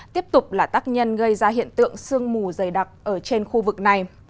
tiếp tục là tác nhân gây ra hiện tượng sương mù dày đặc ở trên khu vực này